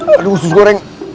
aduh usus goreng